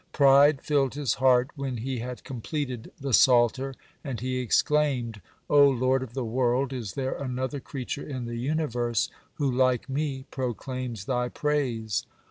Pride filled his heart when he had completed the Psalter, and he exclaimed: "O Lord of the world, is there another creature in the universe who like me proclaims thy praise?"